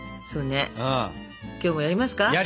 そうね今日もやりますか。